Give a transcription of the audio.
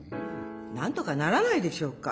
なんとかならないでしょうか。